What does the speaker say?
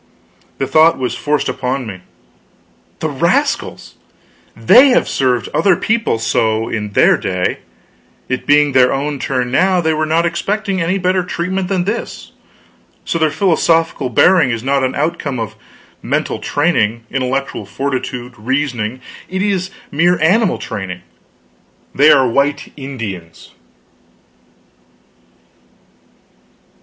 The thought was forced upon me: "The rascals they have served other people so in their day; it being their own turn, now, they were not expecting any better treatment than this; so their philosophical bearing is not an outcome of mental training, intellectual fortitude, reasoning; it is mere animal training; they are white Indians."